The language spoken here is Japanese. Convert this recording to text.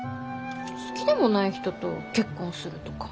ん好きでもない人と結婚するとか。